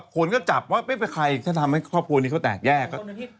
คนก็จับว่าไม่เป็นใครถ้าทำให้ครอบครัวนี้เขาแตกแยก